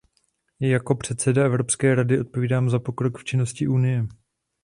Jako předseda Evropské rady odpovídám za pokrok v činnosti Unie.